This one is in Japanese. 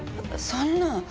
そんな。